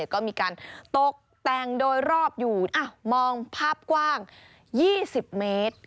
ก็มีการตกแต่งโดยรอบอยู่มองภาพกว้าง๒๐เมตร